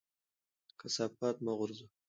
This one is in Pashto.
کثافات مه غورځوئ.